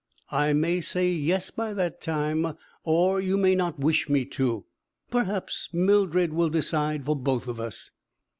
I may say yes by that time, or you may not wish me to. Perhaps Mildred will decide for both of us."